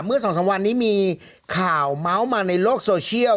เมื่อสองสามวันนี้มีข่าวเมาส์มาในโลกโซเชียล